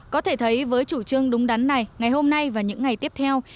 có thể thấy với chủ trương đúng đắn này ngày hôm nay và những ngày tiếp theo